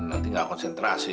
nanti nggak konsentrasi